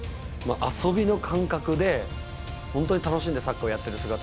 遊びの感覚で本当に楽しんでサッカーをやってる姿。